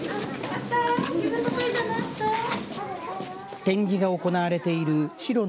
展示が行われているしろね